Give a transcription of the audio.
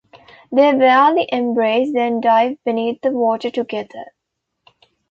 They wearily embrace, then dive beneath the water together.